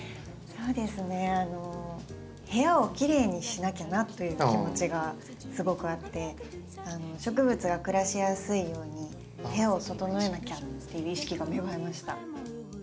そうですね部屋をきれいにしなきゃなという気持ちがすごくあって植物が暮らしやすいように部屋を整えなきゃっていう意識が芽生えました。